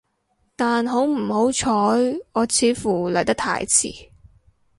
但好唔好彩，我似乎嚟得太遲